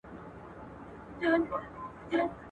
په فضا کې روبوټونه د ستورو د څېړلو لپاره نوي معلومات راټولوي.